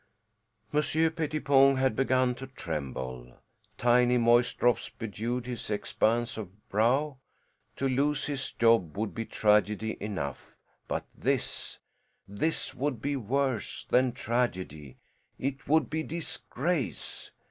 Monsieur Pettipon had begun to tremble; tiny moist drops bedewed his expanse of brow; to lose his job would be tragedy enough; but this this would be worse than tragedy; it would be disgrace.